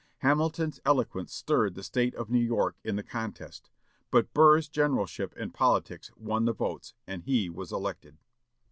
Hamilton's eloquence stirred the State of New York in the contest; but Burr's generalship in politics won the votes, and he was elected.